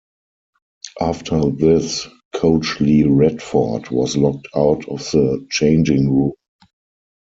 After this coach Lee Radford was locked out of the changing room.